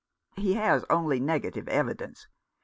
" He has only negative evidence.